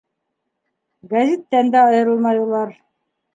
Гәзиттән дә айырылмай улар.